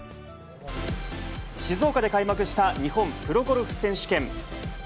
静岡で開幕した日本プロゴルフ選手権。